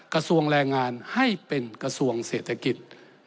กระทรวงแรงงานให้เป็นกระทรวงเศรษฐกิจ